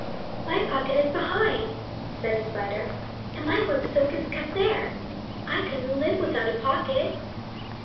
"My pocket is behind," said a Spider, "and my web silk is kept there. I couldn't live without a pocket."